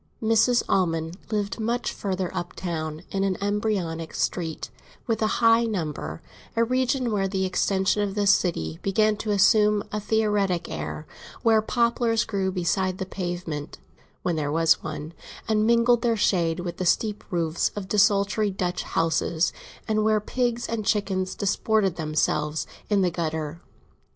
Mrs. Almond lived much farther up town, in an embryonic street with a high number—a region where the extension of the city began to assume a theoretic air, where poplars grew beside the pavement (when there was one), and mingled their shade with the steep roofs of desultory Dutch houses, and where pigs and chickens disported themselves in the gutter.